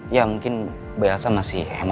ya mungkin bayi aza masih emosional bu